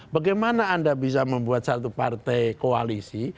bagaimana anda bisa membuat satu partai koalisi